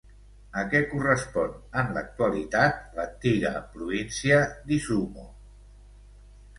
A què correspon en l'actualitat l'antiga província d'Izumo?